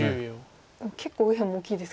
でも結構右辺も大きいですか。